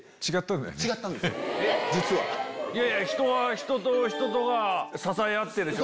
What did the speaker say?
「人」は人と人とが支え合ってでしょ。